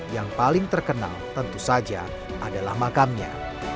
yang paling terkenal tentu saja adalah makamnya